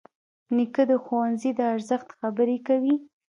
نیکه د ښوونځي د ارزښت خبرې کوي.